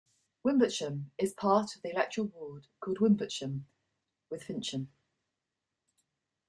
Wimbotsham is part of the electoral ward called Wimbotsham with Fincham.